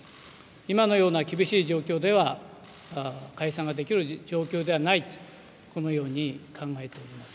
今のような厳しい状況では解散ができる状況ではないとこのように考えております。